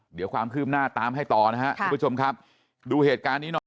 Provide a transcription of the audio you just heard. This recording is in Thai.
เดี๋ยวความคืบหน้าตามให้ต่อนะครับทุกผู้ชมครับดูเหตุการณ์นี้หน่อย